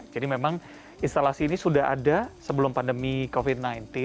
jadi memang instalasi ini sudah ada sebelum pandemi covid sembilan belas